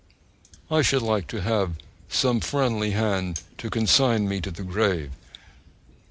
I should like to have some friendly hand to consign me to the grave.